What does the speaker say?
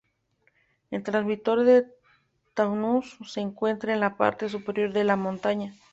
El transmisor de Taunus se encuentra en la parte superior de la montaña.